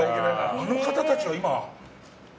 あの方たちは今？